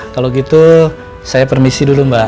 kalau gitu saya permisi dulu mbak